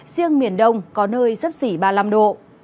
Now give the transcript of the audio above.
riêng miền đông có nơi sấp xỉ ba mươi năm độ